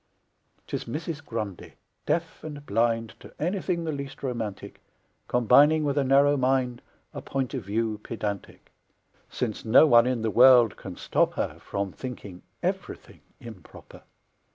'Tis Mrs. Grundy, deaf and blind To anything the least romantic, Combining with a narrow mind A point of view pedantic, Since no one in the world can stop her From thinking ev'rything improper.